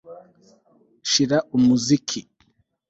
Shira umuziki